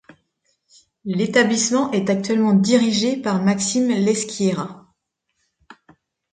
L'établissement est actuellement dirigé par Maxime Leschiera.